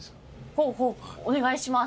ほうほうお願いします。